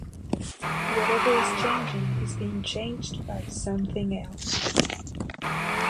Whatever is changing is being changed by something else.